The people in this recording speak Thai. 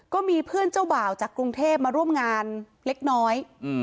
ก็มีเพื่อนเจ้าบ่าวจากกรุงเทพมาร่วมงานเล็กน้อย